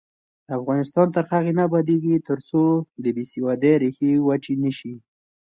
افغانستان تر هغو نه ابادیږي، ترڅو د بې سوادۍ ریښې وچې نشي.